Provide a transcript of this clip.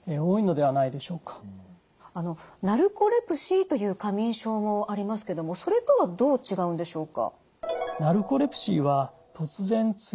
ナルコレプシーという過眠症もありますけどもそれとはどう違うんでしょうか？